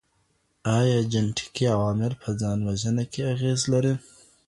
آيا جينيټيکي عوامل په ځان وژنه کي اغېز لري؟